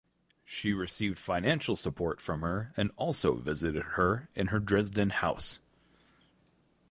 She received financial support from her and also visited her in her Dresden house.